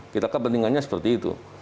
kita kepentingannya seperti itu